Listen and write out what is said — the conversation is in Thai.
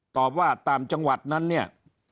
ตอบว่าต่างจังหวัดนั้นเนี่ย